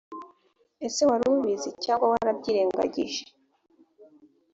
ese wari ubizi cyangwa warabyirengangije